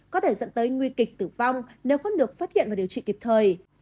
có thể dẫn tới nguy kịch tử vong nếu không được phát hiện và điều trị kịp thời